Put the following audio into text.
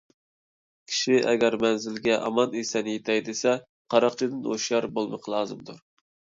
كىشى ئەگەر مەنزىلگە ئامان - ئېسەن يېتەي دېسە قاراقچىدىن ھوشيار بولمىقى لازىمدۇر.